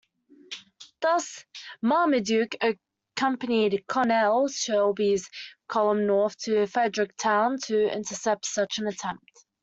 Thus Marmaduke accompanied Colonel Shelby's column north to Fredericktown to intercept such an attempt.